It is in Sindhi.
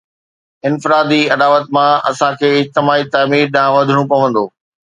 انفرادي اڏاوت مان اسان کي اجتماعي تعمير ڏانهن وڌڻو پوندو.